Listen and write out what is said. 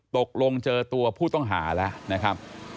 ตกลงเจอตัวผู้ต้องหาแล้วนะครับ